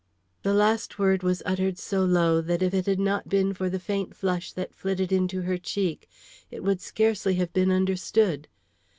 The last word was uttered so low that if it had not been for the faint flush that flitted into her cheek, it would scarcely have been understood.